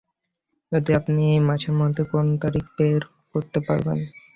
যদি আপনি এই মাসের মধ্যে কোন তারিখ বের করতে পারেন?